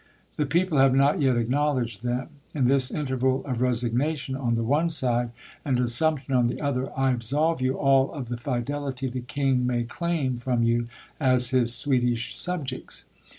The people have not yet acknowledged them. In this interval of resignation on the one side, and assumption on the other, I absolve you all of the fidelity the king may claim from you as his Swedish subjects."